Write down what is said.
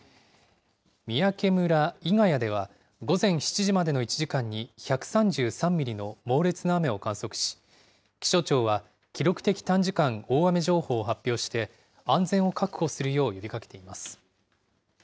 三宅村伊ヶ谷では、午前７時までの１時間に１３３ミリの猛烈な雨を観測し、気象庁は、記録的短時間大雨情報を発表して、安全を確保するよう呼びかけています。